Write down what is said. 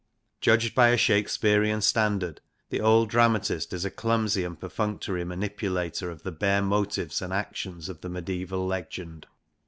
Judged by a Shakespearean standard, the old dramatist is a clumsy and perfunctory manipulator of the bare motives and actions of the medieval legend.